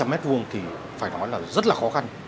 ba trăm linh mét vuông thì phải nói là rất là khó khăn